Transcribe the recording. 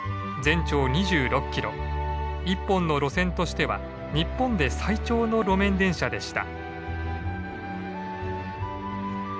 １本の路線としては日本で最長の路面電車でした。